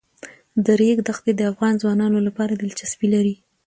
د ریګ دښتې د افغان ځوانانو لپاره دلچسپي لري.